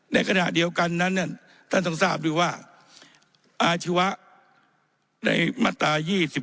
ในขณะเดียวกันนั้นท่านต้องทราบด้วยว่าอาชีวะในมาตรา๒๗